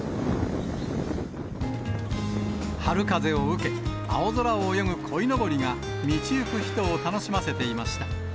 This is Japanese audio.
春風を受け、青空を泳ぐこいのぼりが道行く人を楽しませていました。